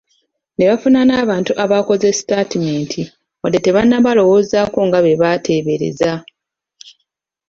Ne bafuna n’abantu abaakoze sitatimenti wadde tebannabalowoozaako nga be bateebereza.